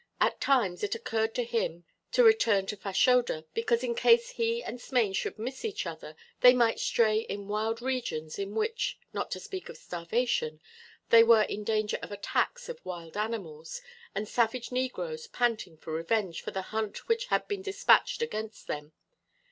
At times it occurred to him to return to Fashoda, because in case he and Smain should miss each other they might stray in wild regions in which, not to speak of starvation, they were in danger of attacks of wild animals, and savage negroes panting for revenge for the hunt which had been despatched against them.